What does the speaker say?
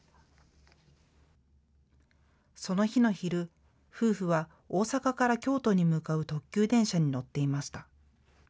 その日の昼、夫婦は大阪から京都に向かう特急電車に乗っていました。